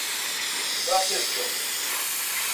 Tbeɛ tirga-m.